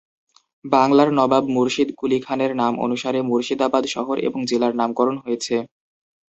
বাংলার নবাব মুর্শিদ কুলি খানের নাম অনুসারে মুর্শিদাবাদ শহর এবং জেলার নামকরণ হয়েছে।